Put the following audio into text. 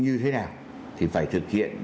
như thế nào thì phải thực hiện